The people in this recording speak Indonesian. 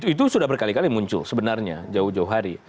itu sudah berkali kali muncul sebenarnya jauh jauh hari